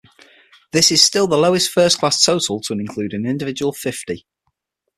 This is still the lowest first class total to include an individual fifty.